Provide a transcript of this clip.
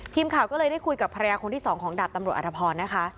ทีมข่าวก็เลยได้คุยกับภรรยาคนที่สองของดาบตำรวจอธพรนะคะ